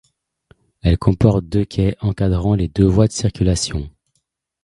Elle comporte deux quais encadrant les deux voies de circulation.